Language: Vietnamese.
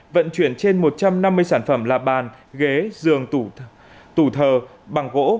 vận chuyển trên một trăm năm mươi sản phẩm là bàn ghế giường tủ thờ bằng gỗ